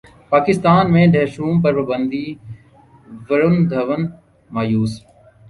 پاکستان میں ڈھشوم پر پابندی ورن دھون مایوس